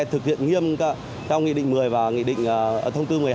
thực hiện nghiêm theo hình định một mươi và hình định thông tư một mươi hai